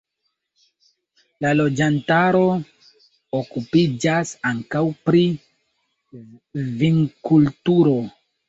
La loĝantaro okupiĝas ankaŭ pri vinkulturo.